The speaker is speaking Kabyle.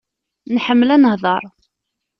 Nḥemmel ad nehḍer.